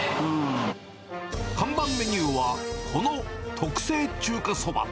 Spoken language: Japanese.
看板メニューは、この特製中華そば。